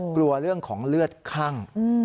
กลัวเรื่องของเลือดคั่ง